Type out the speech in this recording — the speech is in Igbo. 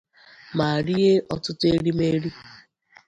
ma rie ọtụtụ erimeri